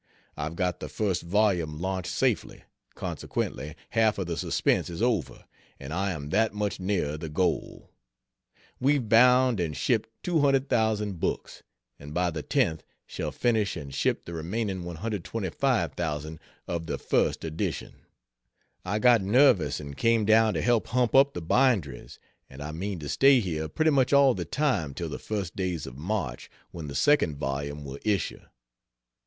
I've got the first volume launched safely; consequently, half of the suspense is over, and I am that much nearer the goal. We've bound and shipped 200,000 books; and by the 10th shall finish and ship the remaining 125,000 of the first edition. I got nervous and came down to help hump up the binderies; and I mean to stay here pretty much all the time till the first days of March, when the second volume will issue.